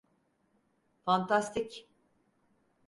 Fantastik!